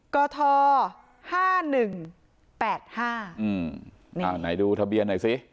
กัดทอห้าหนึ่งแปดห้าหะไหนดูทะเบียนหนักสิ